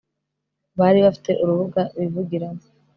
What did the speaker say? bari bafite urubuga bivugiramo